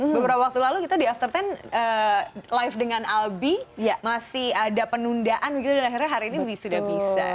beberapa waktu lalu kita di after sepuluh live dengan albi masih ada penundaan gitu dan akhirnya hari ini sudah bisa